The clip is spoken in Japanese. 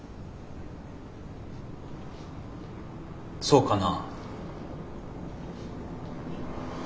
そうかな。